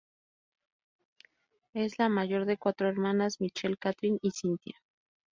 Es la mayor de cuatro hermanas: Michelle, Katrin y Cynthia.